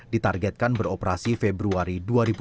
ditargetkan beroperasi februari dua ribu tujuh belas